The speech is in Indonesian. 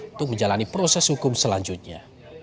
untuk menjalani proses hukum selanjutnya